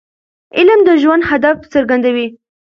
علم د ژوند هدف څرګندوي.